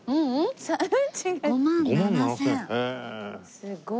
すごい。